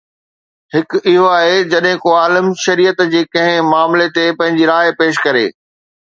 هڪ اهو آهي جڏهن ڪو عالم شريعت جي ڪنهن معاملي تي پنهنجي راءِ پيش ڪري